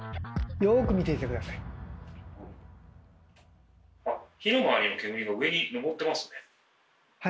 よく見ていて下さい。